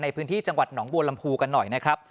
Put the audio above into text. ในพื้นที่จังหวัดหนองบัวลำพูกันหน่อยนะครับ